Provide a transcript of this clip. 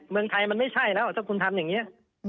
เมืองไทยมันไม่ใช่แล้วถ้าคุณทำอย่างนี้